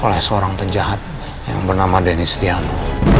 oleh seorang penjahat yang bernama dennis tiano